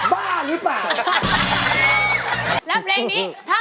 บ้าหรือเปล่า